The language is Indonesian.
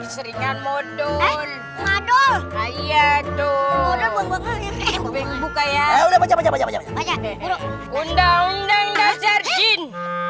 seringan modul modul ayat doang buka ya udah baca baca undang undang dasar jin